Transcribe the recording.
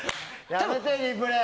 やめて、リプレイ！